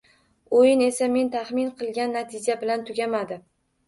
Oʻyin esa men taxmin qilgan natija bilan tugamadi